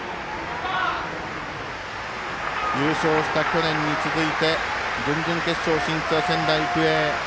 優勝した去年に続いて準々決勝進出は仙台育英。